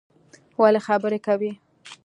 ولی خبری کوی